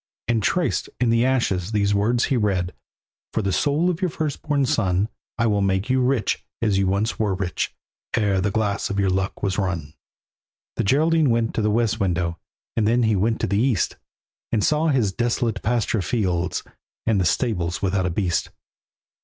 And, traced in the ashes, these words he read: "For the soul of your firstborn son, I will make you rich as you once were rich Ere the glass of your luck was run." The Geraldine went to the west window, And then he went to the east, And saw his desolate pasture fields, And the stables without a beast.